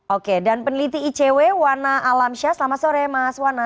oke dan peneliti icw wana alamsyah selamat sore mas wana